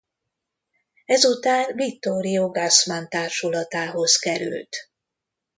Ezután Vittorio Gassman társulatához került.